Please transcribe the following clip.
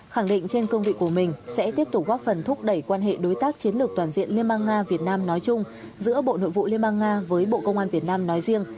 khẳng định trên cương vị của mình sẽ tiếp tục góp phần thúc đẩy quan hệ đối tác chiến lược toàn diện liên bang nga việt nam nói chung giữa bộ nội vụ liên bang nga với bộ công an việt nam nói riêng